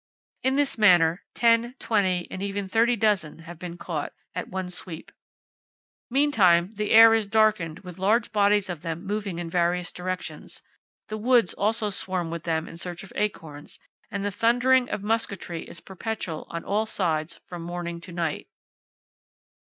In this manner ten, twenty, and even thirty dozen have been caught [Page 13] at one sweep. Meantime the air is darkened with large bodies of them moving in various directions; the woods also swarm with them in search of acorns, and the thundering of musquetry is perpetual on all sides from morning to night.